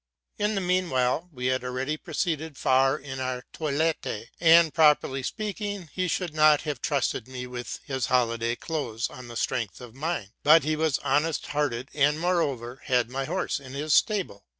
'' In the mean while we had already proceeded far in our toilet: and, properly speaking, he should not have trusted me with his holiday clothes on the strength of mine; but he was honest hearted, and, moreover, had my horse in his stable.